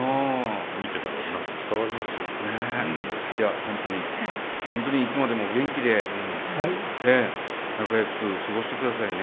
いや本当に本当にいつまでもお元気で仲よく過ごしてくださいね。